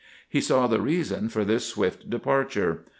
He saw the reason for this swift departure.